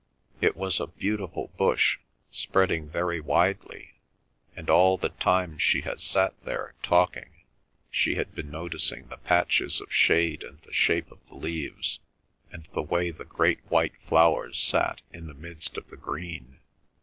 It was a beautiful bush, spreading very widely, and all the time she had sat there talking she had been noticing the patches of shade and the shape of the leaves, and the way the great white flowers sat in the midst of the green.